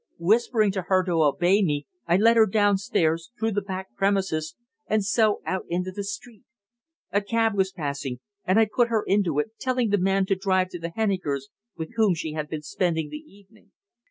Whispering to her to obey me I led her downstairs, through the back premises, and so out into the street. A cab was passing, and I put her into it, telling the man to drive to the Hennikers', with whom she had been spending the evening.